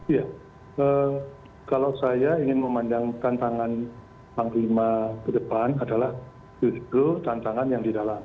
iya kalau saya ingin memandang tantangan panglima ke depan adalah justru tantangan yang di dalam